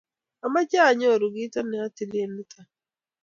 Ameche anyoru kito ne atilen nito